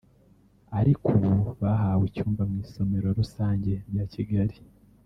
ariko ubu bahawe icyumba mu Isomero rusange rya Kigali